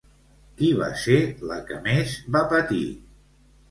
Qui va ser la que més va patir?